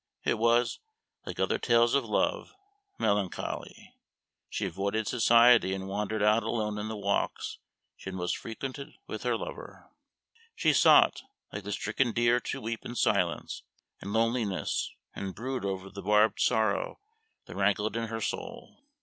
It was, like other tales of love, melancholy. She avoided society and wandered out alone in the walks she had most frequented with her lover. She sought, like the stricken deer, to weep in silence and loneliness and brood over the barbed sorrow that rankled in her soul.